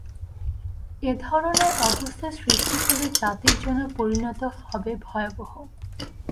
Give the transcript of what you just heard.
এ ধরনের অবস্থা সৃষ্টি হলে জাতির জন্য পরিণতি হবে ভয়াবহ।